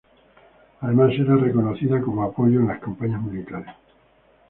Además era reconocida como apoyo en las campañas militares.